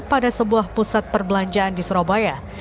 pada sebuah pusat perbelanjaan di surabaya